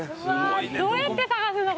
どうやって探すの？